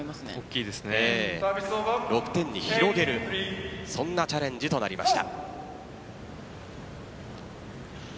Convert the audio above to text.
６点に広げるそんなチャレンジとなりました。